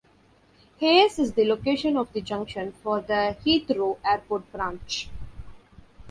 Hayes is the location of the junction for the Heathrow Airport branch.